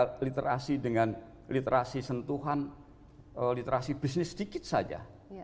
lined literacy dengan literasi sentuhan literasi bisnis sedikit saja